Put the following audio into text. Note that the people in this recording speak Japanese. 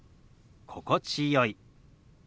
「心地よい」。